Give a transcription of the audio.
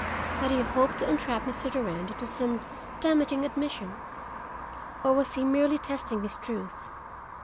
Had he hoped to entrap Mr. Durand into some damaging admission? Or was he merely testing his truth?